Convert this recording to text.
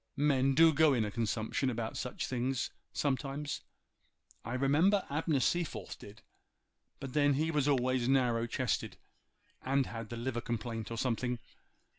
Men do go in a consumption about such things sometimes. I remember Abner Seaforth did—but then he was always narrow chested, and had the liver complaint, or something.